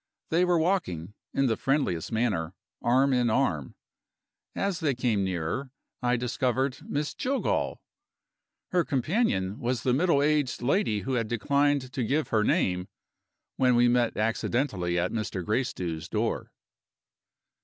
They were walking, in the friendliest manner, arm in arm. As they came nearer, I discovered Miss Jillgall. Her companion was the middle aged lady who had declined to give her name, when we met accidentally at Mr. Gracedieu's door.